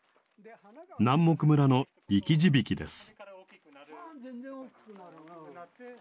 南牧村の生き字引です。